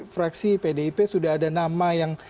fraksi pdip sudah ada nama yang